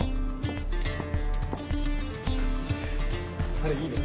彼いいね。